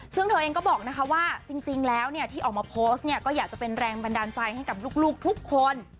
ซึ่งเธอเองก็บอกนะคะว่าจริงแล้วเนี่ยที่ออกมาโพสต์เนี่ยก็อยากจะเป็นแรงบันดาลใจให้กับลูกทุกคน